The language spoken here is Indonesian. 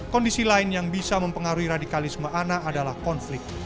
kondisi lain yang bisa mempengaruhi radikalisme anak adalah konflik